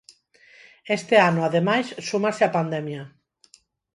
Este ano, ademais, súmase a pandemia.